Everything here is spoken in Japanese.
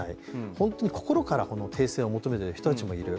本当に心から停戦を求めている人たちもいる。